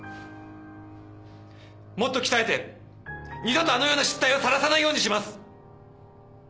もっと鍛えて二度とあのような失態をさらさないようにします。